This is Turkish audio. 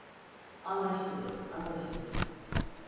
Anlaşıldı, anlaşıldı.